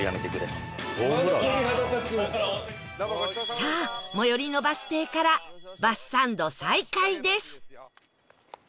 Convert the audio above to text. さあ最寄りのバス停からバスサンド再開です